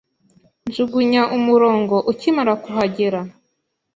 Njugunya umurongo ukimara kuhagera.